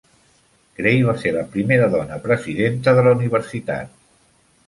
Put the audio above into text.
Gray va ser la primera dona presidenta de la universitat.